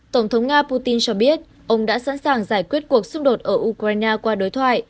tổng thống nga putin cho biết ông đã sẵn sàng giải quyết cuộc xung đột ở ukraine qua đối thoại